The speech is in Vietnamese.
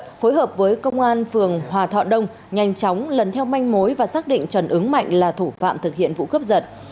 phối hợp với công an phường hòa thọ đông nhanh chóng lần theo manh mối và xác định trần ứng mạnh là thủ phạm thực hiện vụ cướp giật